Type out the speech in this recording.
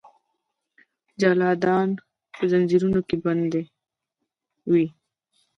جلادان به ځنځیرونو کې بندي وي.